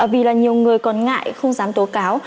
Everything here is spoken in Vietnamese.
vì là nhiều người còn ngại không dám tố cáo